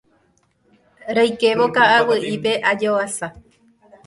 Roikévo ka'aguy'ípe ajovasa.